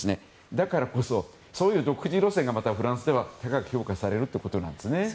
だからこそ、そういう独自路線がフランスでは高く評価されるんですね。